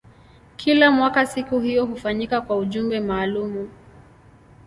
Kila mwaka siku hiyo hufanyika kwa ujumbe maalumu.